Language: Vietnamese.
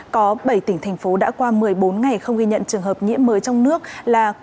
có bảy tỉnh thành phố đã qua một mươi bốn ngày không ghi nhận trường hợp nhiễm mới trong nước là